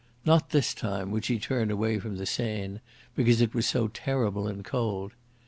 Not this time would she turn away from the Seine, because it was so terrible and cold.